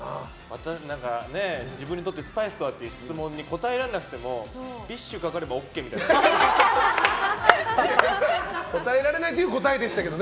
自分にとってスパイスとは？の質問に答えられなくてもＢｉＳＨがかかれば答えられないという答えでしたけどね。